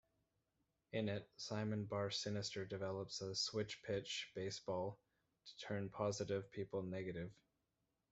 In it, Simon Bar Sinister develops a Switchpitch baseball to turn positive people negative.